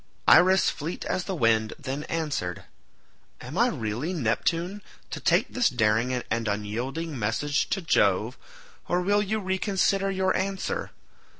Iris fleet as the wind then answered, "Am I really, Neptune, to take this daring and unyielding message to Jove, or will you reconsider your answer?